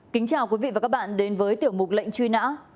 kính chào quý vị và các bạn đến với tiểu mục lệnh truy nã